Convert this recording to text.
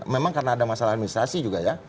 memang karena ada masalah administrasi juga ya